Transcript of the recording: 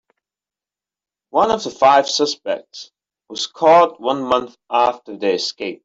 One of the five suspects was caught one month after their escape.